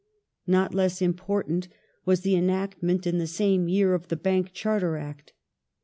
Not less important was the enactment, in the same year, of the Bank Bank Charter Act.